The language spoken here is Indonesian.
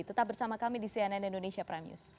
tetap bersama kami di cnn indonesia prime news